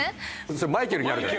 それマイケルになるから。